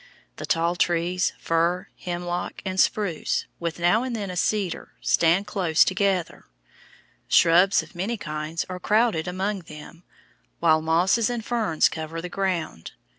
The tall trees, fir, hemlock, and spruce, with now and then a cedar, stand close together. Shrubs of many kinds are crowded among them, while mosses and ferns cover the ground.